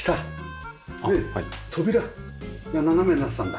扉が斜めになってたんだ。